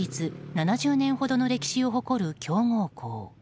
７０年ほどの歴史を誇る強豪校。